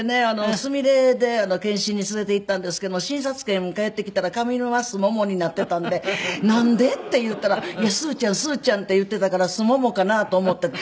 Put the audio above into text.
すみれで健診に連れて行ったんですけども診察券返ってきたら上沼すももになっていたんで「なんで？」って言ったら「いやすーちゃんすーちゃんって言っていたからすももかなと思った」って。